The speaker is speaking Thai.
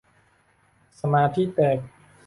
สมาธิแตก